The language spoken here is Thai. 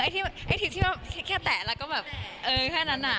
แค่แตะแล้วก็แค่นั้น